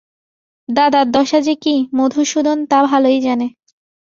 দাদার দশা যে কী, মধুসূদন তা ভালোই জানে।